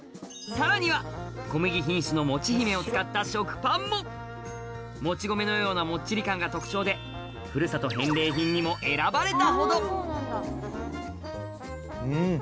さらには小麦品種のもち姫を使った食パンももち米のようなもっちり感が特徴で選ばれたほどうん！